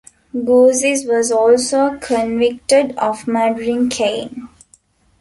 Goussis was also convicted of murdering Caine.